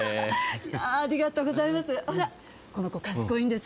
ありがとうございます。